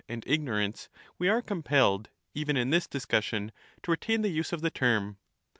and ignorance we are compelled even in this discussion to else, retain the use of the term.